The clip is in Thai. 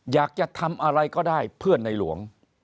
อยากจะทำอะไรก็ได้เพื่อนในหลวง